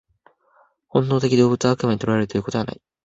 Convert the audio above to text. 本能的動物は悪魔に囚われるということはない。